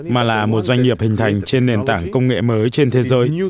mà là một doanh nghiệp hình thành trên nền tảng công nghệ mới trên thế giới